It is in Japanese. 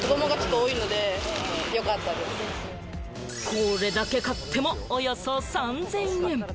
これだけ買っても、およそ３０００円！